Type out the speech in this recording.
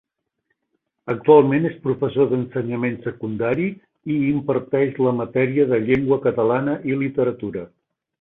Actualment és professor d'ensenyament secundari i imparteix la matèria de llengua catalana i literatura.